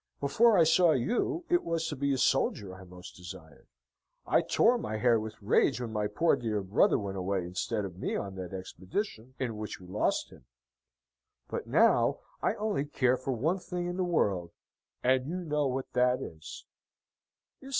Before I saw you, it was to be a soldier I most desired; I tore my hair with rage when my poor dear brother went away instead of me on that expedition in which we lost him. But now, I only care for one thing in the world, and you know what that is."